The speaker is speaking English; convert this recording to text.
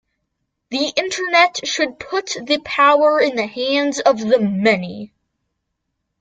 The Internet should put the power in the hands of the many.